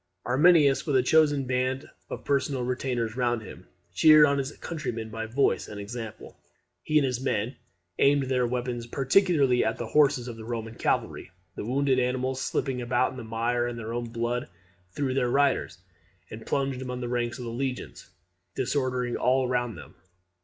Arminius, with a chosen band of personal retainers round him, cheered on his countrymen by voice and example. He and his men aimed their weapons particularly at the horses of the Roman cavalry. The wounded animals, slipping about in the mire and their own blood, threw their riders, and plunged among the ranks of the legions, disordering all round them.